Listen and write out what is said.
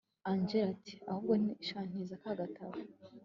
angella ati ahubwo shn ntiza kakatabo